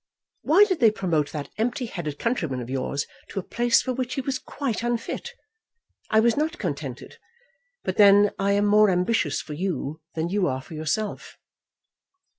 Why did they promote that empty headed countryman of yours to a place for which he was quite unfit? I was not contented. But then I am more ambitious for you than you are for yourself."